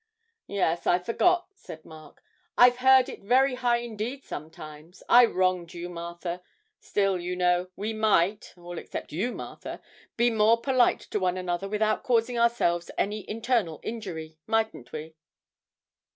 'Yes, I forgot,' said Mark, 'I've heard it very high indeed sometimes. I wronged you, Martha. Still, you know, we might (all except you, Martha) be more polite to one another without causing ourselves any internal injury, mightn't we?'